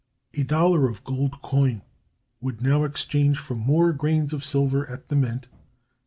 A dollar of gold coin would now exchange for more grains of silver at the mint (15.